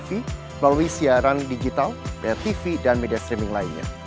melalui siaran digital tv dan media streaming lainnya